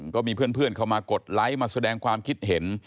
ก็มีเพื่อนเข้ามากดไลค์มาแสดงความคิดเห็น